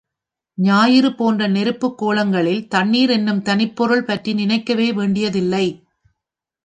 ஞாயிறு போன்ற நெருப்புக் கோளங்களில் தண்ணீர் என்னும் தனிப் பொருள் பற்றி நினைக்கவே வேண்டியதில்லை.